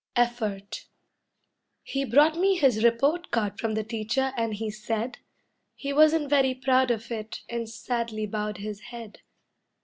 EFFORT He brought me his report card from the teacher and he said He wasn't very proud of it and sadly bowed his head.